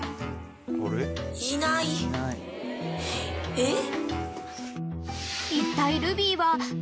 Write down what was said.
えっ？